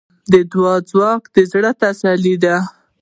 د دعا ځواک د زړۀ تسلي ده.